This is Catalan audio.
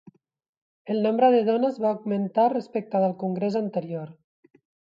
El nombre de dones va augmentar respecte del congrés anterior.